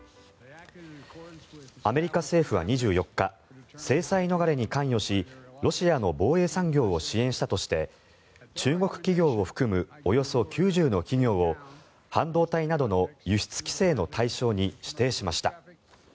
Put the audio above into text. アメリカ政府は２４日制裁逃れに関与しロシアの防衛産業を支援したとして中国企業を含むおよそ９０の企業を半導体などの輸出規制の対象に指定しました。